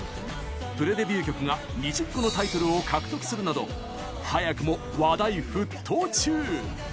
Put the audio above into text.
プレデビュー曲が２０個のタイトルを獲得するなど早くも話題沸騰中！